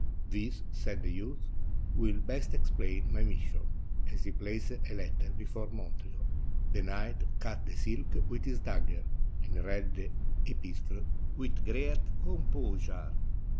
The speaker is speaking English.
"This," said the youth, "will best explain my mis sion," as he placed a letter before Montreal. The knight cut the silk with his dagger, and read the epistle with great composure.